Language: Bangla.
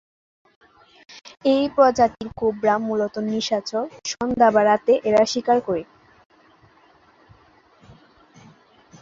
এই প্রজাতির কোবরা মূলত নিশাচর, সন্ধ্যা বা রাতে এরা শিকার করে।